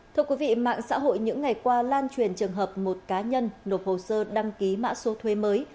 thưa quý vị mạng xã hội những ngày qua lan truyền trường hợp một cá nhân nộp hồ sơ đăng ký mã số thuê mới